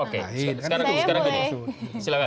oke sekarang boleh